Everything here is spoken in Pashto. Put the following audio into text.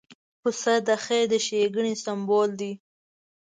پسه د خیر ښېګڼې سمبول دی.